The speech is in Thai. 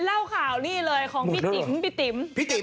เล่าข่าวนี่เลยของพี่ติ๋มพี่ติ๋ม